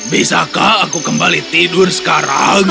bisakah aku kembali tidur sekarang